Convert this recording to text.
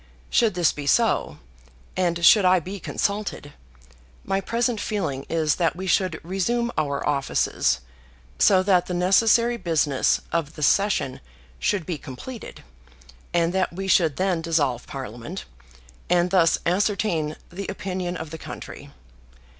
Should this be so, and should I be consulted, my present feeling is that we should resume our offices so that the necessary business of the session should be completed, and that we should then dissolve Parliament, and thus ascertain the opinion of the country.